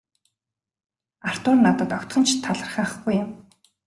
Артур надад огтхон ч талархахгүй юм.